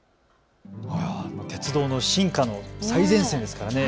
鉄道の進化の最前線ですからね。